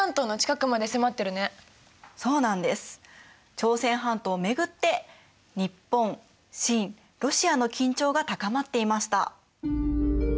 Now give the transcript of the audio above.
朝鮮半島を巡って日本清ロシアの緊張が高まっていました。